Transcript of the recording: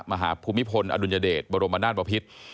มหาภูมิพลอดุญเดชบรมนาศปภิษฐ์